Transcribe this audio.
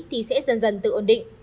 thì sẽ dần dần tự ổn định